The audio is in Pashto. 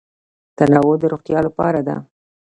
تنوع د روغتیا لپاره ده.